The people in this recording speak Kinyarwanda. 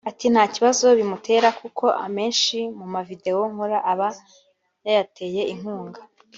Ati “Nta kibazo bimutera kuko amenshi mu ma video nkora aba yayateye inkunga